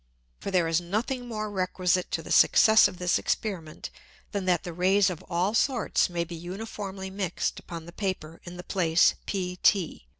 For there is nothing more requisite to the Success of this Experiment, than that the Rays of all sorts may be uniformly mixed upon the Paper in the Place PT.